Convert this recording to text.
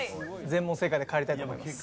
全問正解で帰りたいと思います。